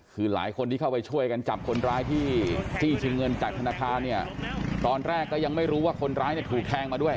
คือหลายคนที่เข้าไปช่วยกันจับคนร้ายที่จี้ชิงเงินจากธนาคารเนี่ยตอนแรกก็ยังไม่รู้ว่าคนร้ายเนี่ยถูกแทงมาด้วย